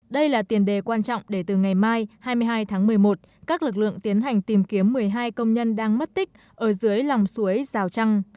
đây là tiền đề quan trọng để từ ngày mai hai mươi hai tháng một mươi một các lực lượng tiến hành tìm kiếm một mươi hai công nhân đang mất tích ở dưới lòng suối rào trăng